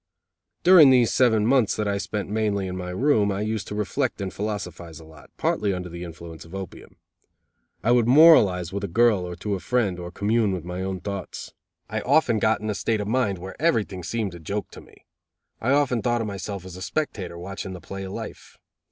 During these seven months that I spent mainly in my room, I used to reflect and philosophize a lot, partly under the influence of opium. I would moralize to my girl or to a friend, or commune with my own thoughts. I often got in a state of mind where everything seemed a joke to me. I often thought of myself as a spectator watching the play of life.